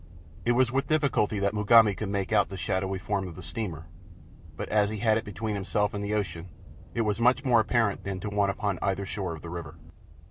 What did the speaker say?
It was with difficulty that Mugambi could make out the shadowy form of the steamer, but as he had it between himself and the ocean it was much more apparent than to one upon either shore of the river.